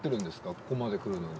ここまでくるのに。